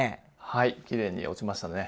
はいきれいに落ちましたね。